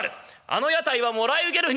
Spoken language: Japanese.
あの屋台はもらい受ける」。